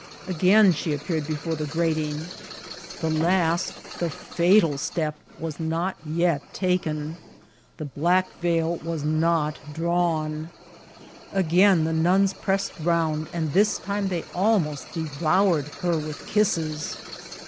Again she appeared before the grating ; the last, the fatal step was 314 INCIDENTS OP TRATKL. not yet taken ; the black veil was not drawn* Again the nuns pressed round, and this time they ahnost de Toured her with kisses.